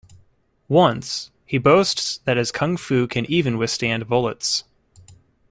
Once, he boasts that his Kung-Fu can even withstand bullets.